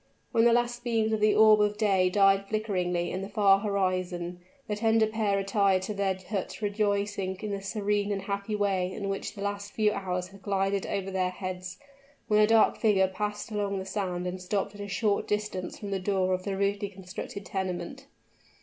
When the last beams of the orb of day died flickeringly in the far horizon, the tender pair retired to their hut rejoicing in the serene and happy way in which the last few hours had glided over their heads when a dark figure passed along the sand and stopped at a short distance from the door of the rudely constructed tenement.